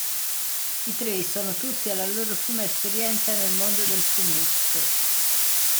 I tre sono tutti alla loro prima esperienza nel mondo del fumetto.